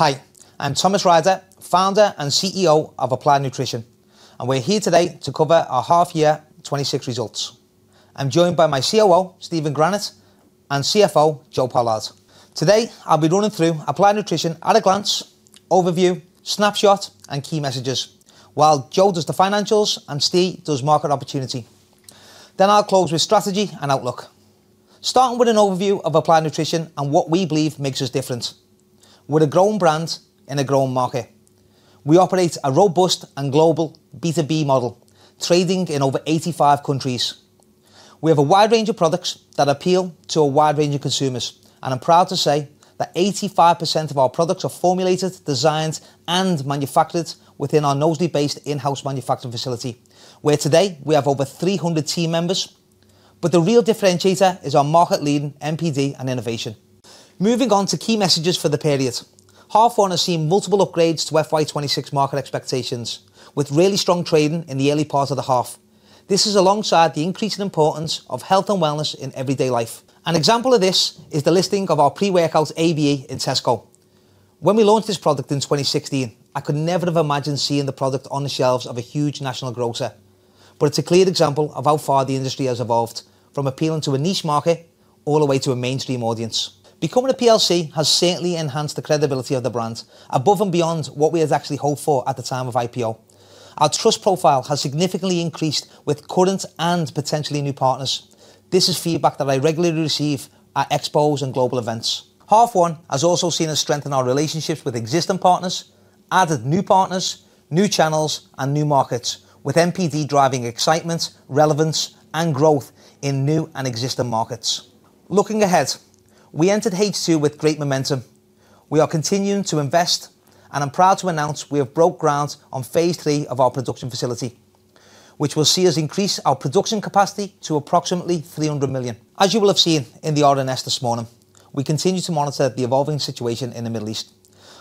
Hi, I'm Thomas Ryder, Founder and CEO of Applied Nutrition, and we're here today to cover our half-year 2026 results. I'm joined by my COO, Steven Granite, and CFO, Joe Pollard. Today, I'll be running through Applied Nutrition at a glance, overview, snapshot, and key messages while Joe does the financials and Steve does market opportunity. I'll close with strategy and outlook. Starting with an overview of Applied Nutrition and what we believe makes us different. We're a growing brand in a growing market. We operate a robust and global B2B model, trading in over 85 countries. We have a wide range of products that appeal to a wide range of consumers, and I'm proud to say that 85% of our products are formulated, designed, and manufactured within our Knowsley-based in-house manufacturing facility, where today we have over 300 team members. The real differentiator is our market-leading NPD and innovation. Moving on to key messages for the period. Half one has seen multiple upgrades to FY 2026 market expectations with really strong trading in the early part of the half. This is alongside the increased importance of health and wellness in everyday life. An example of this is the listing of our Pre-Workout's ABE in Tesco. When we launched this product in 2016, I could never have imagined seeing the product on the shelves of a huge national grocer. It's a clear example of how far the industry has evolved from appealing to a niche market all the way to a mainstream audience. Becoming a PLC has certainly enhanced the credibility of the brand above and beyond what we had actually hoped for at the time of IPO. Our trust profile has significantly increased with current and potentially new partners. This is feedback that I regularly receive at expos and global events. H1 has also seen us strengthen our relationships with existing partners, added new partners, new channels, and new markets with NPD driving excitement, relevance, and growth in new and existing markets. Looking ahead, we entered H2 with great momentum. We are continuing to invest, and I'm proud to announce we have broke ground on phase III of our production facility, which will see us increase our production capacity to approximately 300 million. As you will have seen in the RNS this morning, we continue to monitor the evolving situation in the Middle East.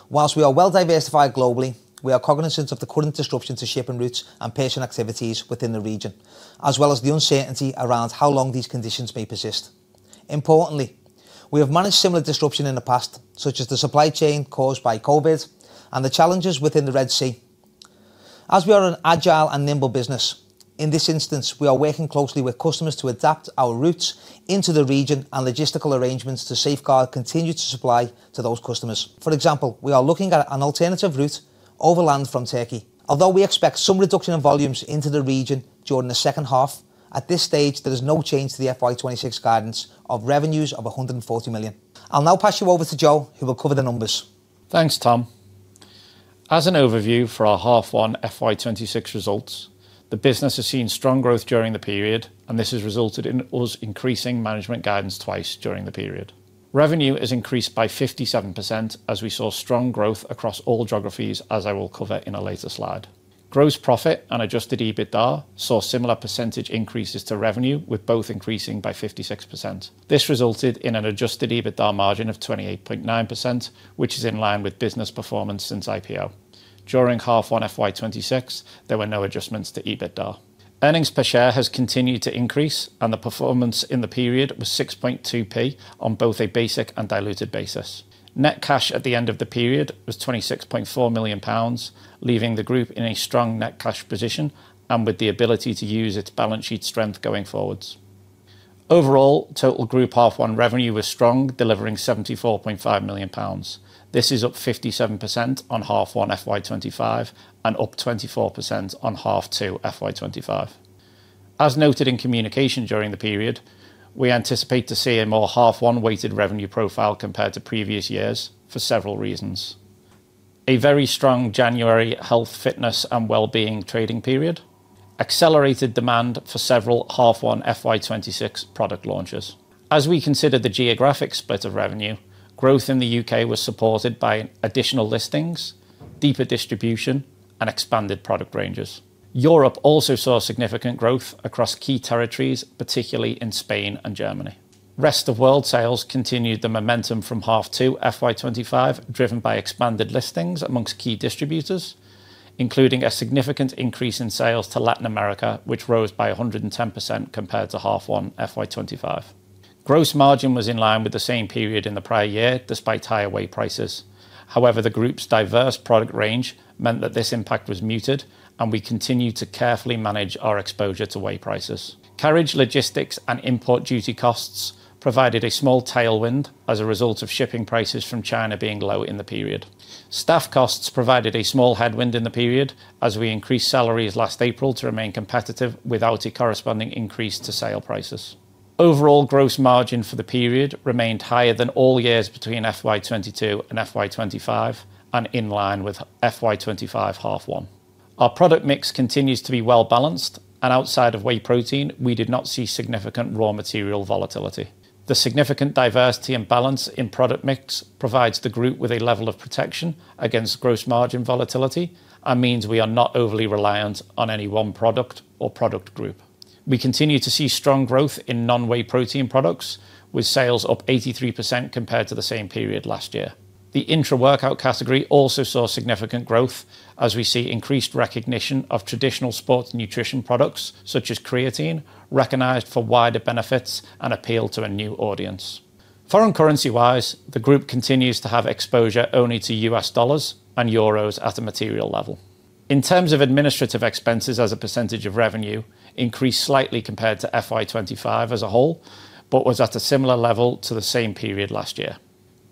While we are well diversified globally, we are cognizant of the current disruption to shipping routes and partisan activities within the region, as well as the uncertainty around how long these conditions may persist. Importantly, we have managed similar disruption in the past, such as the supply chain caused by COVID and the challenges within the Red Sea. We are an agile and nimble business. In this instance, we are working closely with customers to adapt our routes into the region and logistical arrangements to safeguard continued supply to those customers. For example, we are looking at an alternative route over land from Turkey. Although we expect some reduction in volumes into the region during the second half, at this stage, there is no change to the FY 2026 guidance of revenues of 140 million. I'll now pass you over to Joe, who will cover the numbers. Thanks, Tom. As an overview for our half one FY 2026 results, the business has seen strong growth during the period, and this has resulted in us increasing management guidance twice during the period. Revenue has increased by 57% as we saw strong growth across all geographies, as I will cover in a later slide. Gross profit and adjusted EBITDA saw similar percentage increases to revenue, with both increasing by 56%. This resulted in an adjusted EBITDA margin of 28.9%, which is in line with business performance since IPO. During half one FY 2026, there were no adjustments to EBITDA. Earnings per share has continued to increase, and the performance in the period was 0.062 On both a basic and diluted basis. Net cash at the end of the period was 26.4 million pounds, leaving the group in a strong net cash position and with the ability to use its balance sheet strength going forward. Overall, total group half one revenue was strong, delivering 74.5 million pounds. This is up 57% on half one FY 2025 and up 24% on half two FY 2025. As noted in communication during the period, we anticipate to see a more half one-weighted revenue profile compared to previous years for several reasons. A very strong January health, fitness, and well-being trading period accelerated demand for several half one FY 2026 product launches. As we consider the geographic split of revenue, growth in the U.K. was supported by additional listings, deeper distribution, and expanded product ranges. Europe also saw significant growth across key territories, particularly in Spain and Germany. Rest-of-world sales continued the momentum from half two FY 2025, driven by expanded listings among key distributors, including a significant increase in sales to Latin America, which rose by 110% compared to half one FY 2025. Gross margin was in line with the same period in the prior year, despite higher whey prices. However, the group's diverse product range meant that this impact was muted, and we continued to carefully manage our exposure to whey prices. Carriage, logistics, and import duty costs provided a small tailwind as a result of shipping prices from China being low in the period. Staff costs provided a small headwind in the period as we increased salaries last April to remain competitive without a corresponding increase to sale prices. Overall gross margin for the period remained higher than all years between FY 2022 and FY 2025 and in line with FY 2025 half one. Our product mix continues to be well-balanced, and outside of whey protein, we did not see significant raw material volatility. The significant diversity and balance in product mix provides the group with a level of protection against gross margin volatility and means we are not overly reliant on any one product or product group. We continue to see strong growth in non-whey protein products, with sales up 83% compared to the same period last year. The intra-workout category also saw significant growth as we see increased recognition of traditional sports nutrition products, such as creatine, recognized for wider benefits and appeal to a new audience. Foreign currency-wise, the group continues to have exposure only to U.S. dollars and Euros at a material level. In terms of administrative expenses as a percentage of revenue increased slightly compared to FY 2025 as a whole, but was at a similar level to the same period last year.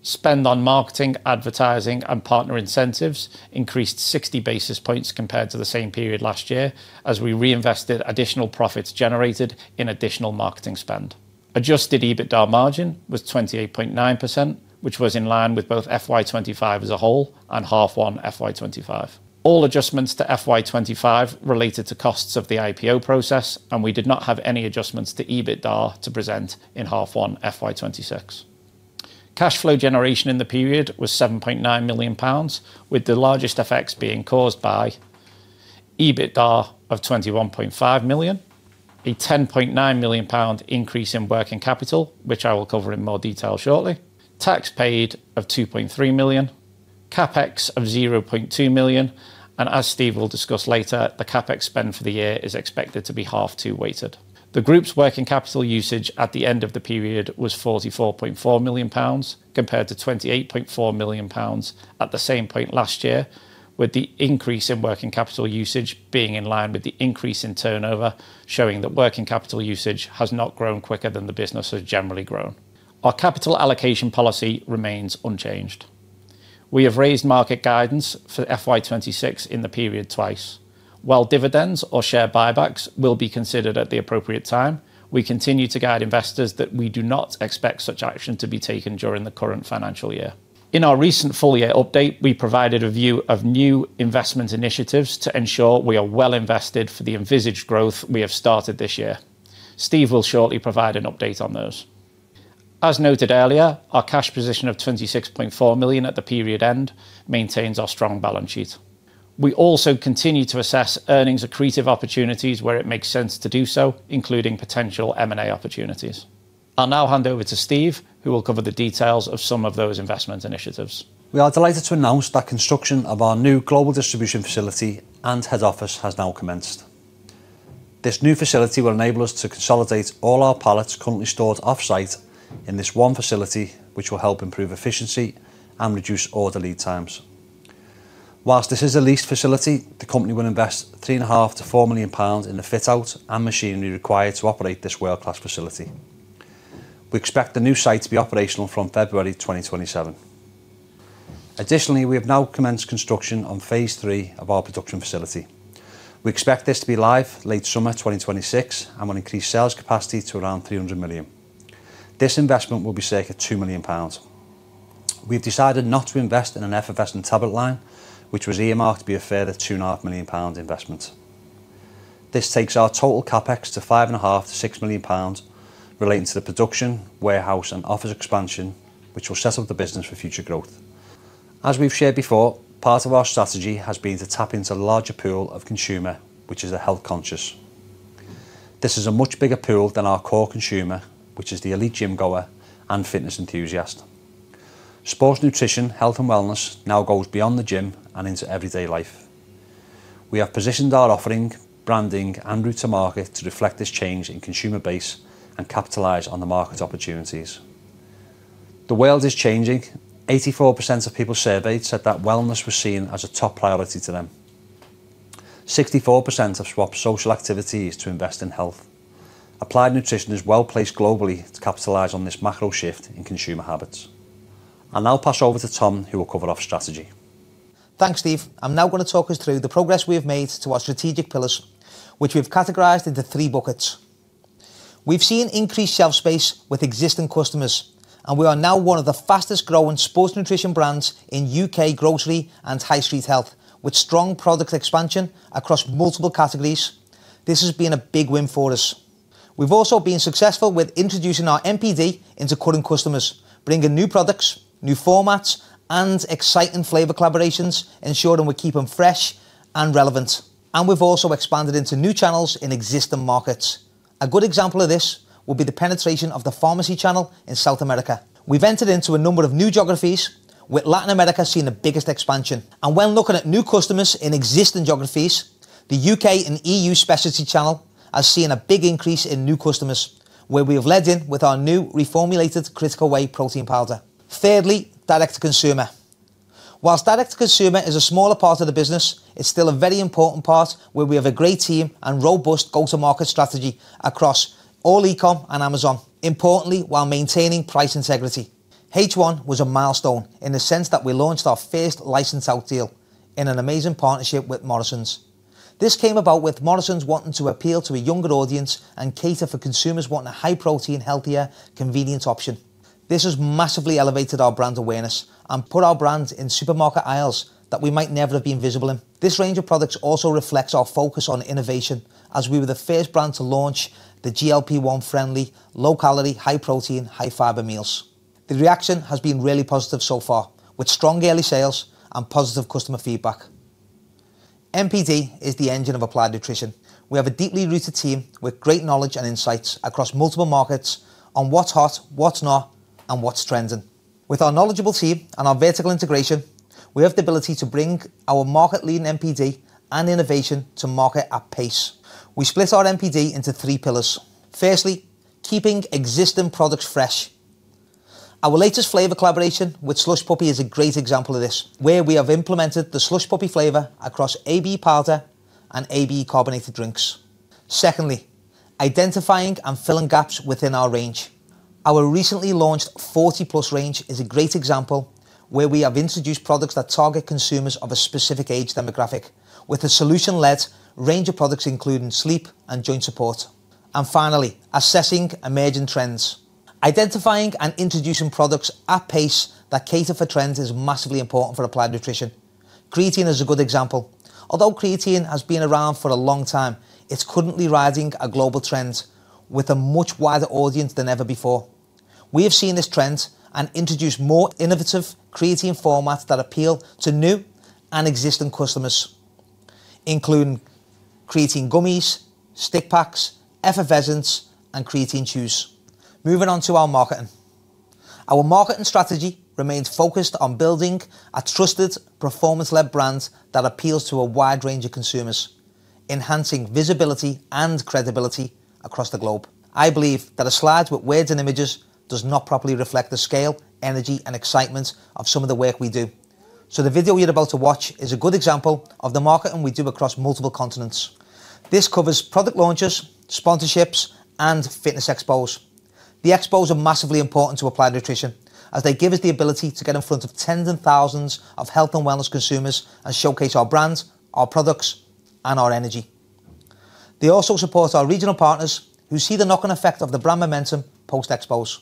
Spend on marketing, advertising, and partner incentives increased 60 basis points compared to the same period last year as we reinvested additional profits generated into additional marketing spend. Adjusted EBITDA margin was 28.9%, which was in line with both FY 2025 as a whole and Half one FY 2025. All adjustments to FY 2025 related to costs of the IPO process, and we did not have any adjustments to EBITDA to present in half one FY 2026. Cash flow generation in the period was 7.9 million pounds, with the largest effects being caused by EBITDA of 21.5 million, a 10.9 million pound increase in working capital, which I will cover in more detail shortly, tax paid of 2.3 million, CapEx of 0.2 million, and as Steve will discuss later, the CapEx spend for the year is expected to be half-two weighted. The group's working capital usage at the end of the period was 44.4 million pounds compared to 28.4 million pounds at the same point last year, with the increase in working capital usage being in line with the increase in turnover, showing that working capital usage has not grown quicker than the business has generally grown. Our capital allocation policy remains unchanged. We have raised market guidance for FY 2026 in the period twice. While dividends or share buybacks will be considered at the appropriate time, we continue to guide investors that we do not expect such action to be taken during the current financial year. In our recent full-year update, we provided a view of new investment initiatives to ensure we are well invested for the envisaged growth we have started this year. Steve will shortly provide an update on those. As noted earlier, our cash position of 26.4 million at the period end maintains our strong balance sheet. We also continue to assess earnings accretive opportunities where it makes sense to do so, including potential M&A opportunities. I'll now hand over to Steve, who will cover the details of some of those investment initiatives. We are delighted to announce that construction of our new global distribution facility and head office has now commenced. This new facility will enable us to consolidate all our pallets currently stored off-site in this one facility, which will help improve efficiency and reduce order lead times. While this is a leased facility, the company will invest 3.5 million-4 million pounds in the fit-out and machinery required to operate this world-class facility. We expect the new site to be operational from February 2027. Additionally, we have now commenced construction on phase III of our production facility. We expect this to be live late summer 2026 and will increase sales capacity to around 300 million. This investment will be circa 2 million pounds. We've decided not to invest in an effervescent tablet line, which was earmarked to be a further 2.5 million pounds investment. This takes our total CapEx to 5.5 million-6 million pounds relating to the production, warehouse, and office expansion, which will set up the business for future growth. As we've shared before, part of our strategy has been to tap into a larger pool of consumer, which is the health-conscious. This is a much bigger pool than our core consumer, which is the elite gym-goer and fitness enthusiast. Sports nutrition, health and wellness now goes beyond the gym and into everyday life. We have positioned our offering, branding, and route to market to reflect this change in consumer base and capitalize on the market opportunities. The world is changing. 84% of people surveyed said that wellness was seen as a top priority to them. 64% have swapped social activities to invest in health. Applied Nutrition is well-placed globally to capitalize on this macro shift in consumer habits. I'll now pass over to Tom, who will cover our strategy. Thanks, Steve. I'm now gonna talk us through the progress we have made to our strategic pillars, which we've categorized into three buckets. We've seen increased shelf space with existing customers, and we are now one of the fastest-growing sports nutrition brands in U.K. grocery and high street health. With strong product expansion across multiple categories, this has been a big win for us. We've also been successful with introducing our NPD into current customers, bringing new products, new formats, and exciting flavor collaborations, ensuring we keep them fresh and relevant. We've also expanded into new channels in existing markets. A good example of this would be the penetration of the pharmacy channel in South America. We've entered into a number of new geographies, with Latin America seeing the biggest expansion. When looking at new customers in existing geographies, the U.K. and EU specialty channel has seen a big increase in new customers, where we have led in with our new reformulated Critical Whey protein powder. Thirdly, direct-to-consumer. While direct to consumer is a smaller part of the business, it's still a very important part where we have a great team and robust go-to-market strategy across all e-com and Amazon, importantly, while maintaining price integrity. H1 was a milestone in the sense that we launched our first licensed out deal in an amazing partnership with Morrisons. This came about with Morrisons wanting to appeal to a younger audience and cater for consumers wanting a high-protein, healthier, convenient option. This has massively elevated our brand awareness and put our brand in supermarket aisles that we might never have been visible in. This range of products also reflects our focus on innovation, as we were the first brand to launch the GLP-1 friendly, low-calorie, high-protein, high-fiber meals. The reaction has been really positive so far, with strong early sales and positive customer feedback. NPD is the engine of Applied Nutrition. We have a deeply rooted team with great knowledge and insights across multiple markets on what's hot, what's not, and what's trending. With our knowledgeable team and our vertical integration, we have the ability to bring our market-leading NPD and innovation to market at pace. We split our NPD into three pillars. Firstly, keeping existing products fresh. Our latest flavor collaboration with Slush Puppie is a great example of this, where we have implemented the Slush Puppie flavor across ABE powder and ABE carbonated drinks. Secondly, identifying and filling gaps within our range. Our recently launched 40+ Wellness Range is a great example where we have introduced products that target consumers of a specific age demographic with a solution-led range of products, including sleep and joint support. Finally, assessing emerging trends, identifying and introducing products at pace that cater for trends is massively important for Applied Nutrition. Creatine is a good example. Although creatine has been around for a long time, it's currently riding a global trend with a much wider audience than ever before. We have seen this trend and introduced more innovative creatine formats that appeal to new and existing customers, including creatine gummies, stick packs, effervescents and creatine chews. Moving on to our marketing. Our marketing strategy remains focused on building a trusted, performance-led brand that appeals to a wide range of consumers, enhancing visibility and credibility across the globe. I believe that a slide with words and images does not properly reflect the scale, energy, and excitement of some of the work we do. The video you're about to watch is a good example of the marketing we do across multiple continents. This covers product launches, sponsorships, and fitness expos. The expos are massively important to Applied Nutrition, as they give us the ability to get in front of tens of thousands of health and wellness consumers and showcase our brand, our products, and our energy. They also support our regional partners who see the knock-on effect of the brand momentum post-expos.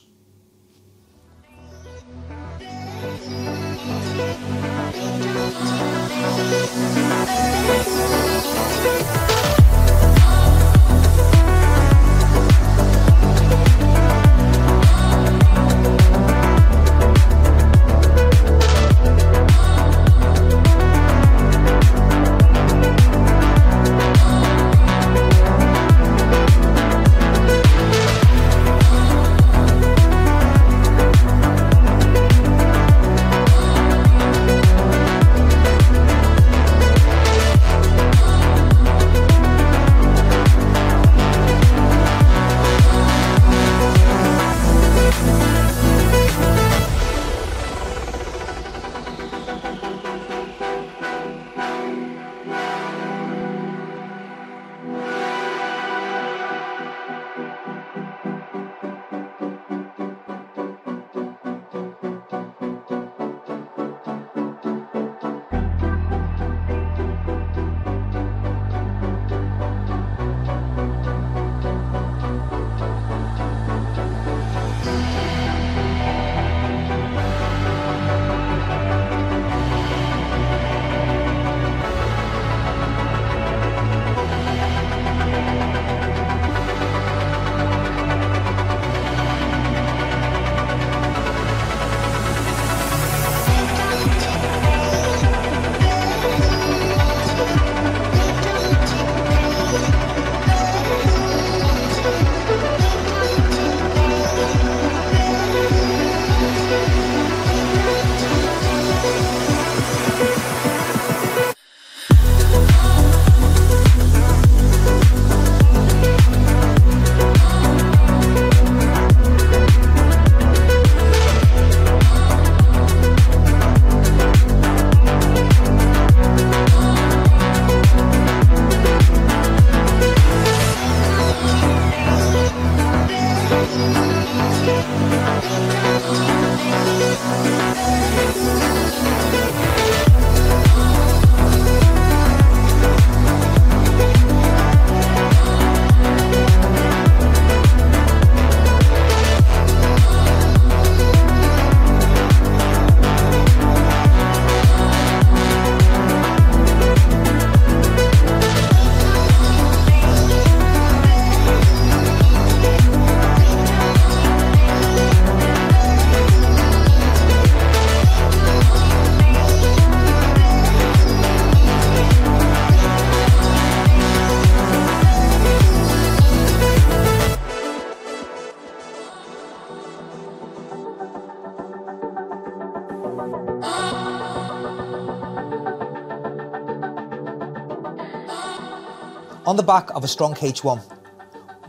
On the back of a strong H1,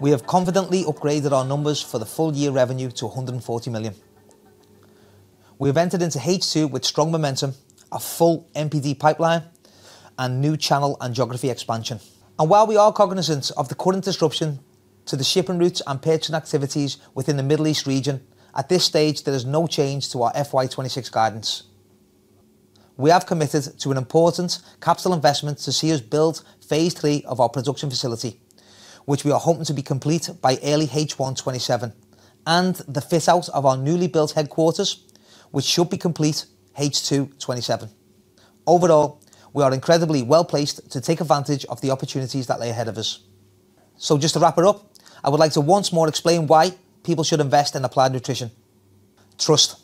we have confidently upgraded our numbers for the full-year revenue to 140 million. We have entered into H2 with strong momentum, a full NPD pipeline and new channel and geography expansion. While we are cognizant of the current disruption to the shipping routes and partisan activities within the Middle East region, at this stage, there is no change to our FY 2026 guidance. We have committed to an important capital investment to see us build phase III of our production facility, which we are hoping to be complete by early H1 2027, and the fit-out of our newly built headquarters, which should be complete H2 2027. Overall, we are incredibly well-placed to take advantage of the opportunities that lie ahead of us. Just to wrap it up, I would like to once more explain why people should invest in Applied Nutrition. Trust.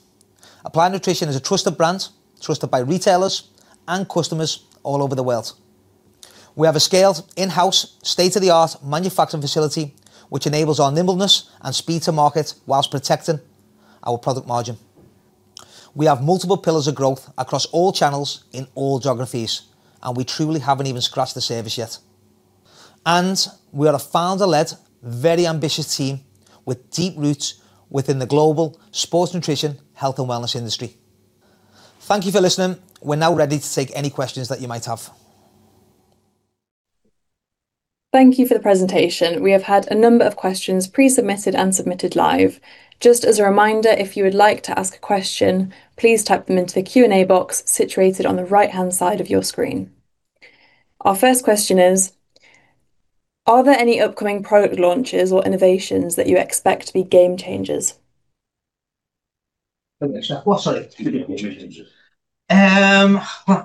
Applied Nutrition is a trusted brand, trusted by retailers and customers all over the world. We have a scaled in-house state-of-the-art manufacturing facility, which enables our nimbleness and speed to market while protecting our product margin. We have multiple pillars of growth across all channels in all geographies, and we truly haven't even scratched the surface yet. We are a founder-led, very ambitious team with deep roots within the global sports nutrition, health and wellness industry. Thank you for listening. We're now ready to take any questions that you might have. Thank you for the presentation. We have had a number of questions pre-submitted and submitted live. Just as a reminder, if you would like to ask a question, please type them into the Q&A box situated on the right-hand side of your screen. Our first question is: Are there any upcoming product launches or innovations that you expect to be game-changers? Sorry.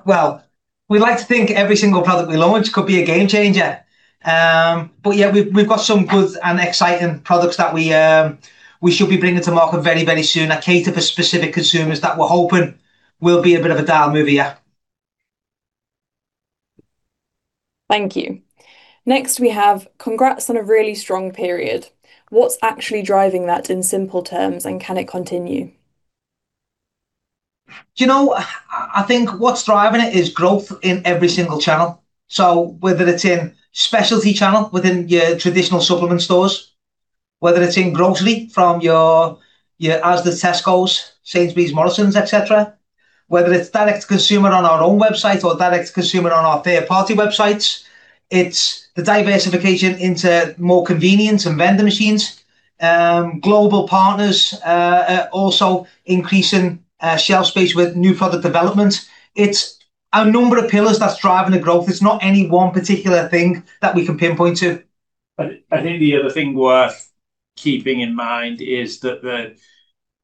Well, we like to think every single product we launch could be a game-changer. Yeah, we've got some good and exciting products that we should be bringing to market very, very soon that cater for specific consumers that we're hoping will be a bit of a game-mover, yeah. Thank you. Next, we have congrats on a really strong period. What's actually driving that in simple terms, and can it continue? Do you know, I think what's driving it is growth in every single channel. Whether it's in specialty channel within your traditional supplement stores, whether it's in grocery from your Asda, Tesco's, Sainsbury's, Morrisons, etc, whether it's direct to consumer on our own website or direct-to-consumer on our third-party websites, it's the diversification into more convenience and vending machines, global partners also increasing shelf space with new product developments. It's a number of pillars that's driving the growth. It's not any one particular thing that we can pinpoint to. I think the other thing worth keeping in mind is that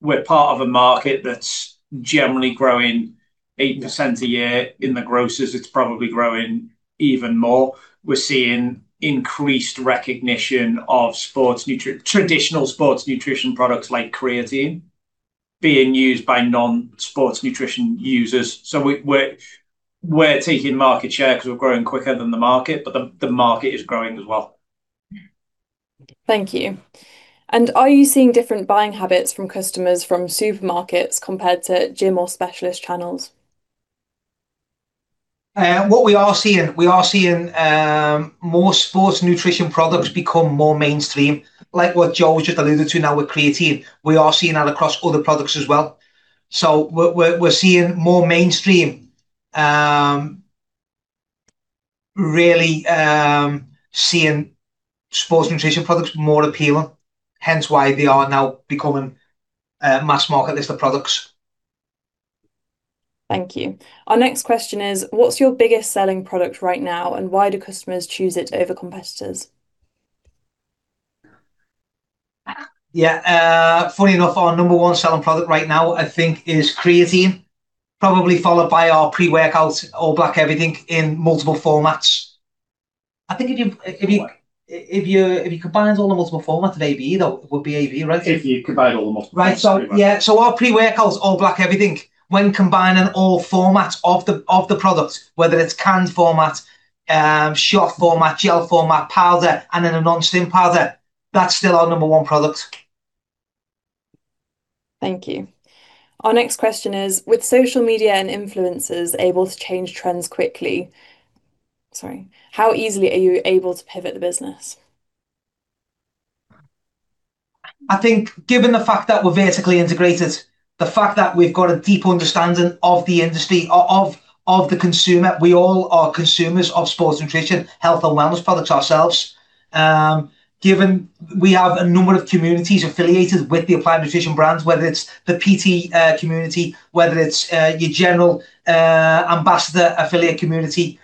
we're part of a market that's generally growing 8% a year. In the grocers, it's probably growing even more. We're seeing increased recognition of traditional sports nutrition products like creatine being used by non-sports nutrition users. We're taking market share because we're growing quicker than the market, but the market is growing as well. Thank you. Are you seeing different buying habits from customers from supermarkets compared to gym or specialist channels? What we are seeing more sports nutrition products become more mainstream, like what Joe Pollard just alluded to now with creatine. We are seeing that across other products as well. We're seeing more mainstream, really seeing sports nutrition products more appealing, hence why they are now becoming mass-market-listed products. Thank you. Our next question is, what's your biggest selling product right now, and why do customers choose it over competitors? Funny enough, our number one selling product right now, I think is creatine, probably followed by our pre-workout All Black Everything in multiple formats. I think if you combined all the multiple formats of AB, though, it would be AB, right? If you combined all the multiple formats, pretty much. Right. Our pre-workout All Black Everything, when combining all formats of the product, whether it's canned format, shot format, gel format, powder, and then a non-stim powder, that's still our number one product. Thank you. Our next question is, how easily are you able to pivot the business? I think given the fact that we're vertically integrated, the fact that we've got a deep understanding of the industry, of the consumer, we all are consumers of sports nutrition, health and wellness products ourselves. Given we have a number of communities affiliated with the Applied Nutrition brands, whether it's the PT community, whether it's your general ambassador affiliate community,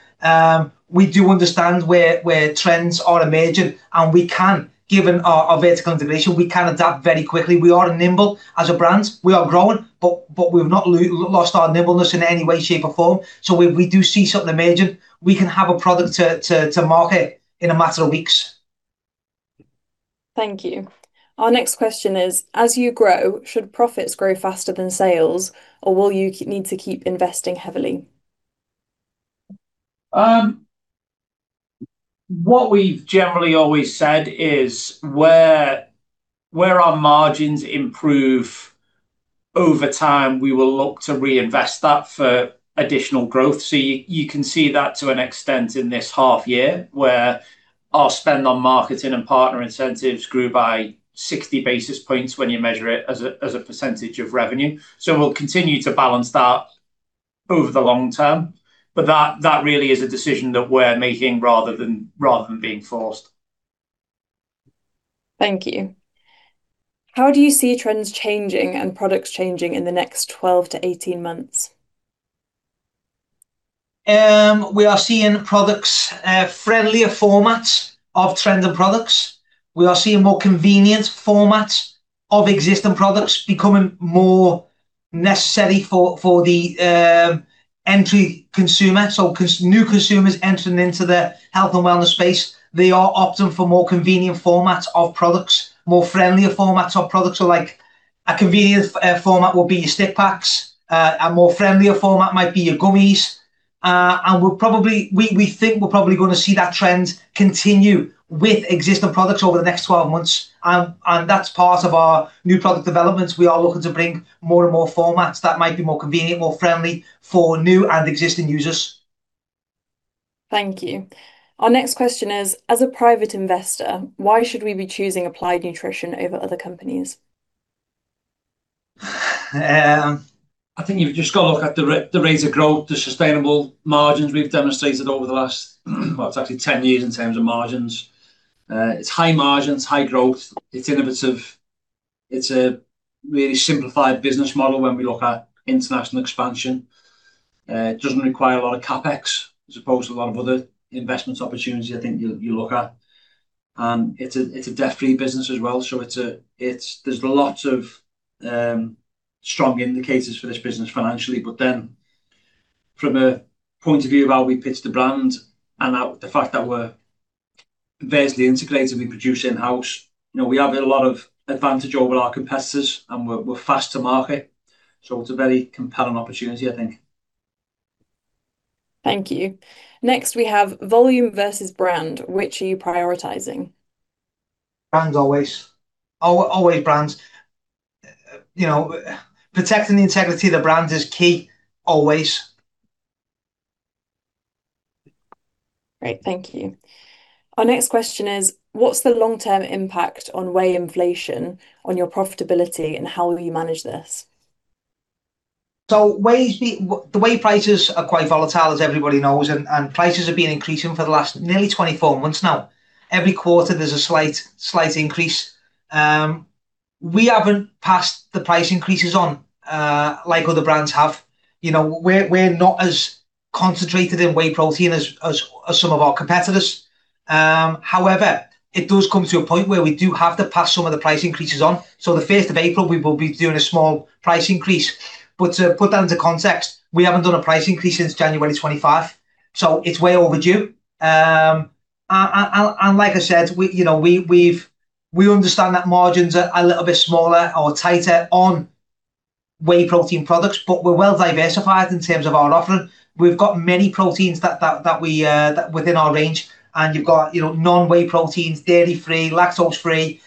we do understand where trends are emerging, and we can, given our vertical integration, adapt very quickly. We are nimble as a brand. We are growing, but we've not lost our nimbleness in any way, shape, or form. If we do see something emerging, we can have a product to market in a matter of weeks. Thank you. Our next question is, as you grow, should profits grow faster than sales, or will you need to keep investing heavily? What we've generally always said is where our margins improve over time, we will look to reinvest that for additional growth. You can see that to an extent in this half year, where our spend on marketing and partner incentives grew by 60 basis points when you measure it as a percentage of revenue. We'll continue to balance that over the long term. That really is a decision that we're making rather than being forced. Thank you. How do you see trends changing and products changing in the next 12-18 months? We are seeing friendlier formats of trending products. We are seeing more convenient formats of existing products becoming more necessary for the entry consumer. New consumers entering into the health and wellness space, they are opting for more convenient formats of products, more friendlier formats of products. Like a convenient format would be your stick packs. We think we're probably gonna see that trend continue with existing products over the next 12 months. That's part of our new product developments. We are looking to bring more and more formats that might be more convenient, more friendly for new and existing users. Thank you. Our next question is, as a private investor, why should we be choosing Applied Nutrition over other companies? I think you've just got to look at the rates of growth, the sustainable margins we've demonstrated over the last, well, it's actually 10 years in terms of margins. It's high margins, high growth. It's innovative. It's a really simplified business model when we look at international expansion. It doesn't require a lot of CapEx as opposed to a lot of other investment opportunities I think you look at. It's a debt-free business as well, so there's lots of strong indicators for this business financially. From a point of view of how we pitch the brand and how the fact that we're vertically integrated, we produce in-house, you know, we have a lot of advantage over our competitors and we're fast to market. It's a very compelling opportunity, I think. Thank you. Next, we have volume versus brand, which are you prioritizing? Brand always. Always brands. You know, protecting the integrity of the brand is key always. Great. Thank you. Our next question is, what's the long-term impact of whey inflation on your profitability, and how will you manage this? Whey prices are quite volatile, as everybody knows, and prices have been increasing for the last nearly 24 months now. Every quarter there's a slight increase. We haven't passed the price increases on, like other brands have. You know, we're not as concentrated in whey protein as some of our competitors. However, it does come to a point where we do have to pass some of the price increases on. The April 5th, we will be doing a small price increase. To put that into context, we haven't done a price increase since January 2025, so it's way overdue. Like I said, you know, we understand that margins are a little bit smaller or tighter on whey protein products, but we're well diversified in terms of our offering. We've got many proteins that within our range, and you've got, you know, non-whey proteins, dairy-free, lactose-free,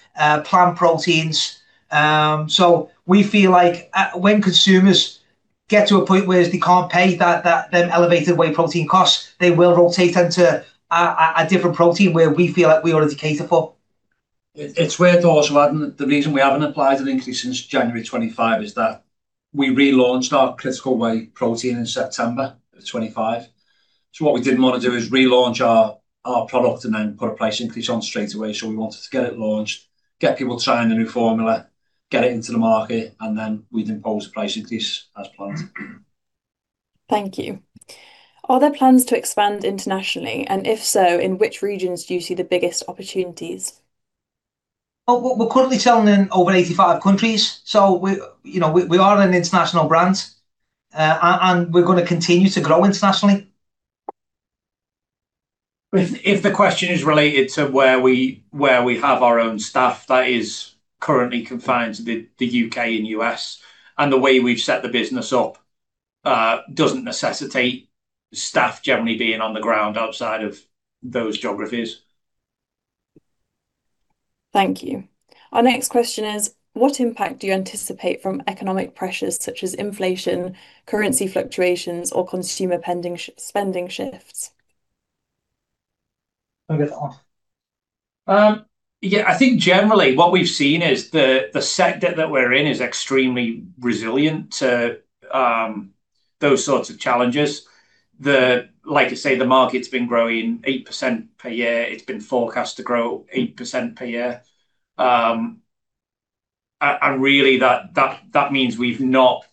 plant proteins. We feel like when consumers get to a point where they can't pay those elevated whey protein costs, they will rotate into a different protein where we feel like we are already catered for. It's worth also adding the reason we haven't applied an increase since January 2025 is that we relaunched our Critical Whey protein in September 2025. What we didn't wanna do is relaunch our product and then put a price increase on straight away, so we wanted to get it launched, get people trying the new formula, get it into the market, and then we'd impose a price increase as planned. Thank you. Are there plans to expand internationally? If so, in which regions do you see the biggest opportunities? We're currently selling in over 85 countries, so you know, we are an international brand. And we're gonna continue to grow internationally. If the question is related to where we have our own staff, that is currently confined to the U.K. and U.S. The way we've set the business up doesn't necessitate staff generally being on the ground outside of those geographies. Thank you. Our next question is, what impact do you anticipate from economic pressures such as inflation, currency fluctuations, or consumer spending shifts? Yeah, I think generally what we've seen is the sector that we're in is extremely resilient to those sorts of challenges. Like I say, the market's been growing 8% per year. It's been forecast to grow 8% per year. And really that means we've not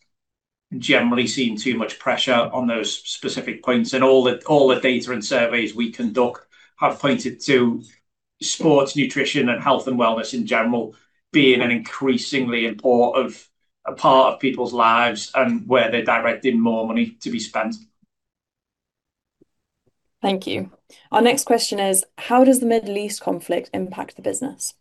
generally seen too much pressure on those specific points, and all the data and surveys we conduct have pointed to sports nutrition and health and wellness in general being an increasingly important part of people's lives and where they're directing more money to be spent. Thank you. Our next question is, how does the Middle East conflict impact the business?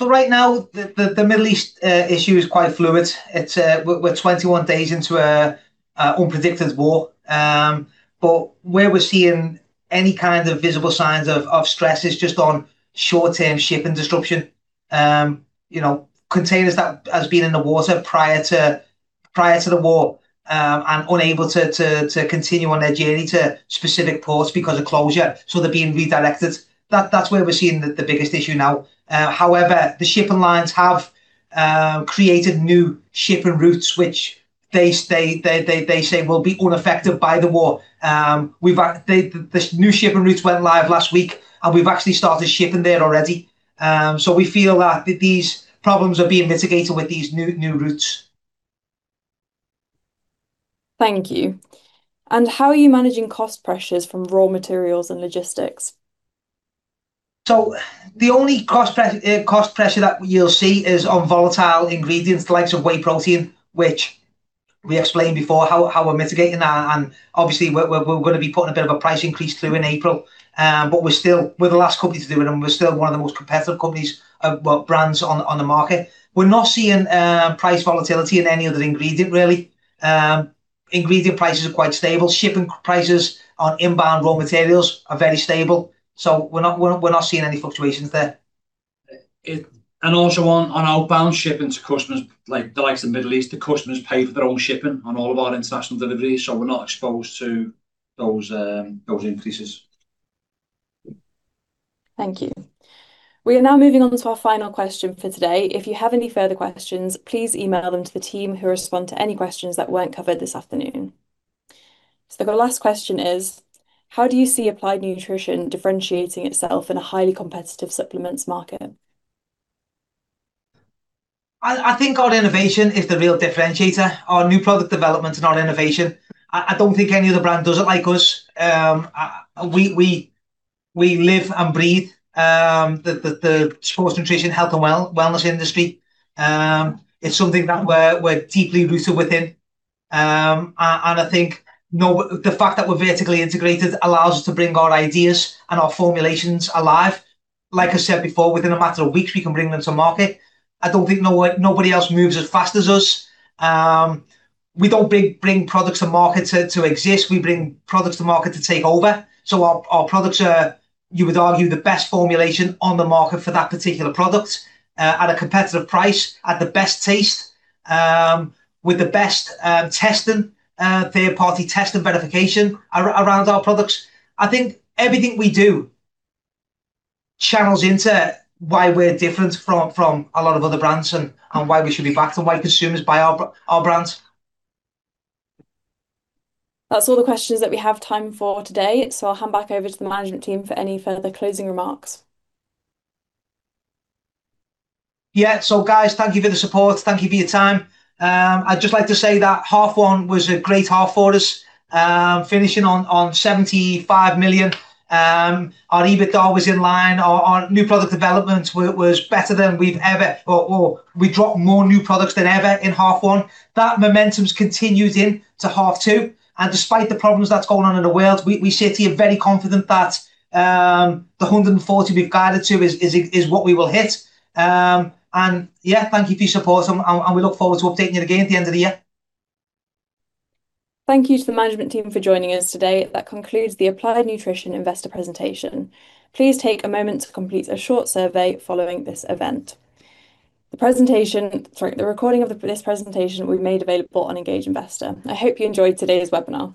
Right now, the Middle East issue is quite fluid. It's. We're 21 days into an unprecedented war. But where we're seeing any kind of visible signs of stress is just on short-term shipping disruption. You know, containers that have been in the water prior to the war and unable to continue on their journey to specific ports because of closure, so they're being redirected. That's where we're seeing the biggest issue now. However, the shipping lines have created new shipping routes which they say will be unaffected by the war. The new shipping routes went live last week, and we've actually started shipping there already. We feel that these problems are being mitigated with these new routes. Thank you. How are you managing cost pressures from raw materials and logistics? The only cost pressure that you'll see is on volatile ingredients, the likes of whey protein, which we explained before how we're mitigating that and obviously we're gonna be putting a bit of a price increase through in April. We're still the last company to do it, and we're still one of the most competitive companies, brands on the market. We're not seeing any price volatility in any other ingredient really. Ingredient prices are quite stable. Shipping prices on inbound raw materials are very stable, so we're not seeing any fluctuations there. Also on outbound shipping to customers like the likes of Middle East, the customers pay for their own shipping on all of our international deliveries, so we're not exposed to those increases. Thank you. We are now moving on to our final question for today. If you have any further questions, please email them to the team who respond to any questions that weren't covered this afternoon. The last question is. How do you see Applied Nutrition differentiating itself in a highly competitive supplements market? I think our innovation is the real differentiator, our new product developments and our innovation. I don't think any other brand does it like us. We live and breathe the sports nutrition health and wellness industry. It's something that we're deeply rooted within. I think the fact that we're vertically integrated allows us to bring our ideas and our formulations alive. Like I said before, within a matter of weeks we can bring them to market. I don't think nobody else moves as fast as us. We don't bring products to market to exist. We bring products to market to take over. Our products are, you would argue, the best formulation on the market for that particular product, at a competitive price, at the best taste, with the best testing, third-party testing verification around our products. I think everything we do channels into why we're different from a lot of other brands and why we should be backed and why consumers buy our brands. That's all the questions that we have time for today, so I'll hand back over to the management team for any further closing remarks. Guys, thank you for the support. Thank you for your time. I'd just like to say that half one was a great half for us, finishing on 75 million. Our EBITDA was in line. Our new product development was better than we've ever or we dropped more new products than ever in half one. That momentum's continued into half two, and despite the problems that's going on in the world, we sit here very confident that the 140 million we've guided to is what we will hit. Yeah, thank you for your support, and we look forward to updating you again at the end of the year. Thank you to the management team for joining us today. That concludes the Applied Nutrition investor presentation. Please take a moment to complete a short survey following this event. The recording of this presentation will be made available on Engage Investor. I hope you enjoyed today's webinar.